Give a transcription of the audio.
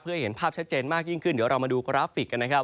เพื่อให้เห็นภาพชัดเจนมากยิ่งขึ้นเดี๋ยวเรามาดูกราฟิกกันนะครับ